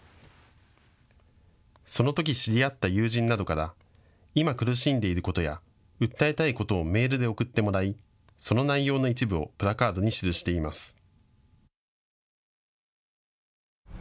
そのとき知り合った友人などから今苦しんでいることや訴えたいことをメールで送ってもらいその内容の一部をプラカードに記しています。